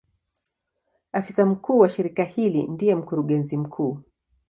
Afisa mkuu wa shirika hili ndiye Mkurugenzi mkuu.